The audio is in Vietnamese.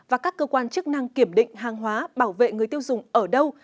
và các cơ quan chức năng kiểm định hàng hóa bảo vệ người tiêu dùng ở đâu